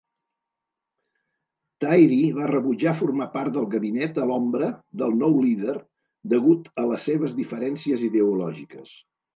Tyrie va rebutjar formar part del gabinet a l'ombra del nou líder degut a les seves diferències ideològiques.